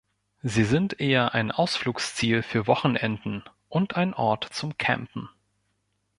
Sie sind eher ein Ausflugsziel für Wochenenden und ein Ort zu campen.